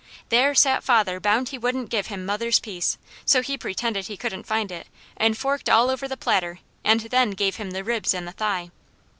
There sat father bound he wouldn't give him mother's piece, so he pretended he couldn't find it, and forked all over the platter and then gave him the ribs and the thigh.